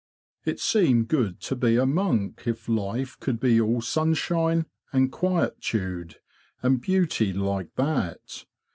It seemed good to be a monk, if life could be all sunshine, and quietude, and beauty like that.